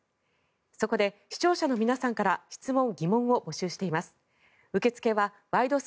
そこで、視聴者の皆さんから質問・疑問を受け付けています。